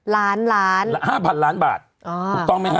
ล้านล้านห้าพันล้านบาทถูกต้องไหมฮะ